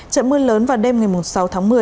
trận mưa lớn vào đêm ngày sáu tháng một mươi